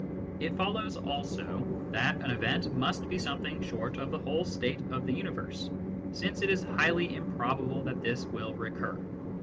It follows also that an " event " must be something short of the whole state of the universe, since it is highly improbable that this will recur.